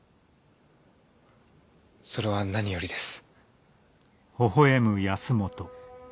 それは何よりです。